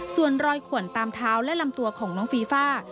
ส่วนรอยขวนตามเท้าและลำตัวของน้องฟีฟ่า